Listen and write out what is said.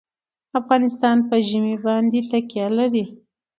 افغانستان په ژمی باندې تکیه لري.